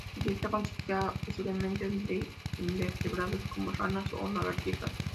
Su dieta consistía posiblemente de invertebrados, como ranas o lagartijas.